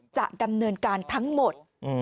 จะดำเนินการทั้งหมด